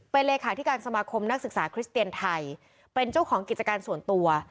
เป็นเลขาธิการสมาคมนักศึกษาคริสเตียนไทยเป็นเจ้าของกิจการส่วนตัว